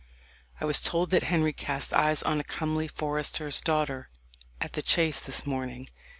I was told that Henry cast eyes on a comely forester's daughter at the chase this morning.